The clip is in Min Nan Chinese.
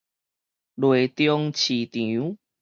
犁忠市場